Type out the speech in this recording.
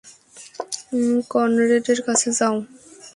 কনরেডের কাছে যাও!